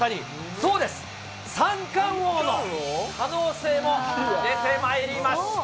そうです、三冠王の可能性も出てまいりました。